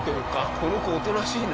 この子おとなしいな。